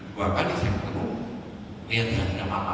dua kali saya ketemu dia tidak apa apa